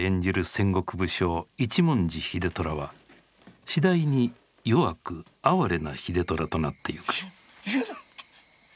戦国武将一文字秀虎は次第に弱く哀れな秀虎となってゆく。